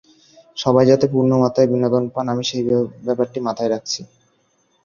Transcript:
সবাই যাতে পূর্ণ মাত্রার বিনোদন পান, আমি সেই ব্যাপারটি মাথায় রাখছি।